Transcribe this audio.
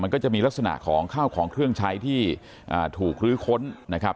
ก็จะมีลักษณะของข้าวของเครื่องใช้ที่ถูกลื้อค้นนะครับ